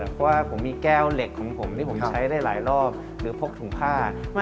เพราะว่าผมมีแก้วเหล็กของผมที่ผมใช้ได้หลายรอบหรือพกถุงผ้า